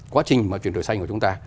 quá trình mà chuyển đổi xanh của chúng ta